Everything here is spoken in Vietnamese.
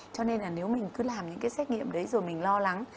cho nên là nếu mình cứ làm những cái xét nghiệm đấy rồi mình lo lắng